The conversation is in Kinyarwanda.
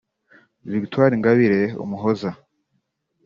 Victoire Ingabire Umuhoza